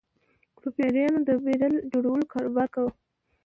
کوپریانو د بیرل جوړولو کاروبار کاوه.